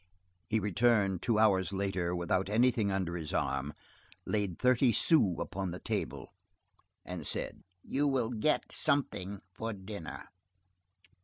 He returned two hours later, without anything under his arm, laid thirty sous on the table, and said:— "You will get something for dinner."